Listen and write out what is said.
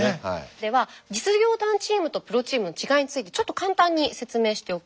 では実業団チームとプロチームの違いについてちょっと簡単に説明しておきます。